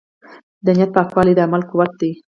د نیت پاکوالی د عمل قوت دی.